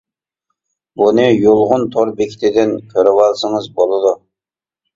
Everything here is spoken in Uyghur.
بۇنى يۇلغۇن تور بېكىتىدىن كۆرۈۋالسىڭىز بولىدۇ.